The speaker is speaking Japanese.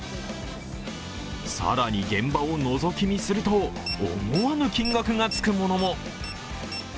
更に現場をのぞき見すると、思わぬ金額がつくものも。